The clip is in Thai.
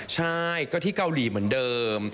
ใช่ก็ที่เกาหลีเหมือนเดิม